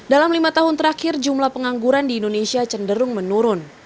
dalam lima tahun terakhir jumlah pengangguran di indonesia cenderung menurun